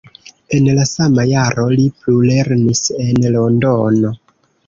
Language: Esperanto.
En la sama jaro li plulernis en Londono.